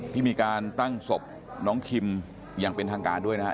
ที่มีการตั้งศพน้องคิมอย่างเป็นทางการด้วยนะครับ